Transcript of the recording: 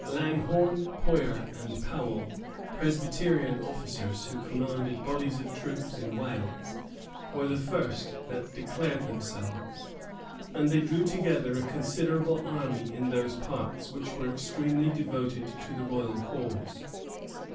Langhorne, Poyer, and Powel, Presbyterian officers, who commanded bodies of troops in Wales, were the first that declared themselves; and they drew together a considerable army in those parts, which were extremely devoted to the royal cause.